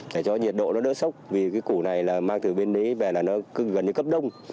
để cho nhiệt độ nó đỡ sốc vì cái củ này là mang từ bên đấy về là nó cứ gần như cấp đông